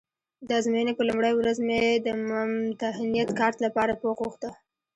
د ازموینې په لومړۍ ورځ مې د ممتحنیت کارت لپاره پوښ غوښته.